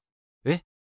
えっ？